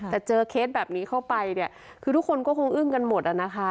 แต่เจอเคสแบบนี้เข้าไปเนี่ยคือทุกคนก็คงอึ้งกันหมดอะนะคะ